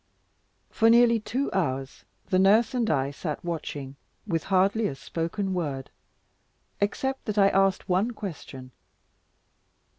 For nearly two hours, the nurse and I sat watching, with hardly a spoken word, except that I asked one question.